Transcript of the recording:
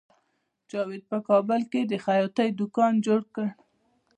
جاوید په کابل کې د خیاطۍ دکان جوړ کړ